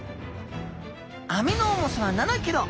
網の重さは７キロ。